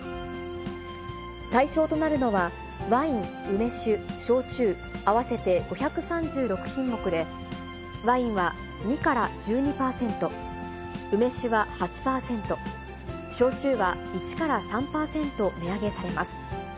対象となるのは、ワイン、梅酒、焼酎、合わせて５３６品目で、ワインは２から１２％、梅酒は８％、焼酎は１から３％値上げされます。